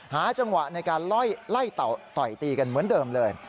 หาจังหวะในการไล่ต่อยตีกันเหมือนเดิมเลย